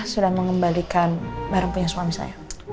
sudah mengembalikan barang punya suami saya